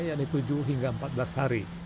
yaitu tujuh hingga empat belas hari